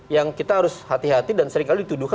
yang kita harus hati hati dan seringkali dituduhkan